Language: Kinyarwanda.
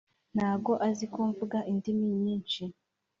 ntago aziko mvuga indimi nyinshi